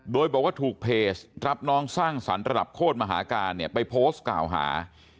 โดยบอกว่าถูกเพจรับน้องสร้างสรรค์ระดับโคตรมหาการเนี่ยไปโพสต์กล่าวหา